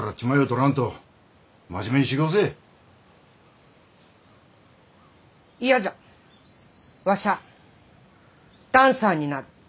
わしゃあダンサーになる。